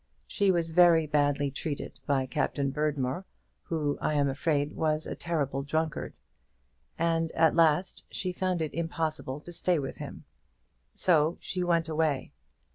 She was very badly treated by Captain Berdmore, who, I am afraid, was a terrible drunkard; and at last she found it impossible to stay with him. So she went away.